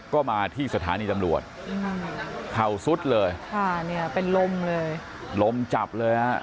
ก็มาที่สถานีตำรวจเข่าสุดเลยเป็นลมเลยลมจับเลยนะ